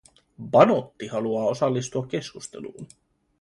Banotti haluaa osallistua keskusteluun.